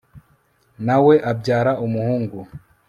na we abyara umuhungu